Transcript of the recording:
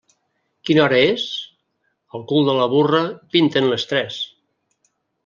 Quina hora és? Al cul de la burra pinten les tres.